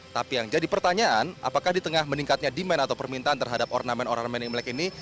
tapi yang jadi pertanyaan apakah di tengah meningkatnya demand atau permintaan terhadap ornamen ornamen imlek ini